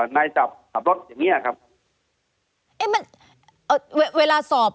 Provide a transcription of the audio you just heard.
นายจับรถอย่างนี้ครับ